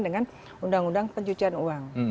dengan undang undang pencucian uang